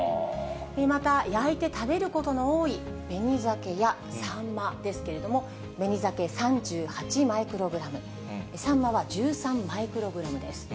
また、焼いて食べることの多い紅ザケやサンマですけれども、紅ザケ３８マイクログラム、サンマは１３マイクログラムです。